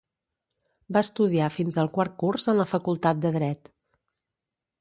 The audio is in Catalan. Va estudiar fins al quart curs en la Facultat de dret.